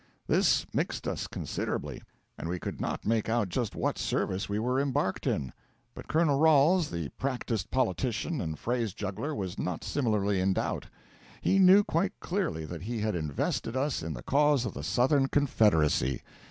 This mixed us considerably, and we could not make out just what service we were embarked in; but Colonel Ralls, the practised politician and phrase juggler, was not similarly in doubt; he knew quite clearly that he had invested us in the cause of the Southern Confederacy.